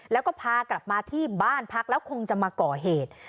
แล้วก็พากลับมาที่บ้านพักแล้วคงจะมาก่อเหตุ